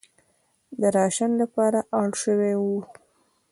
د راشن لپاره اړ شوې وه.